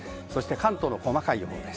関東の細かい予報です。